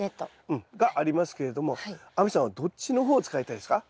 うん。がありますけれども亜美さんはどっちの方を使いたいですか？